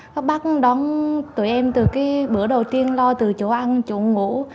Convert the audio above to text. các bác cũng đón tụi em từ cái bữa đầu tiên lo từ chỗ ăn chỗ ngủ